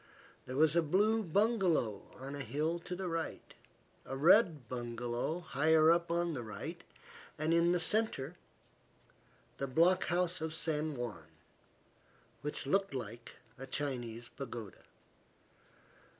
There was a blue bungalow on a hill to the right, a red bungalow higher up on the right, and in the centre the block house of San Juan, which looked like a Chinese pagoda.